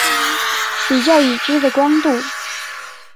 比较已知的光度。